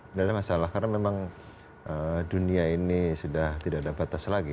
tidak ada masalah karena memang dunia ini sudah tidak ada batas lagi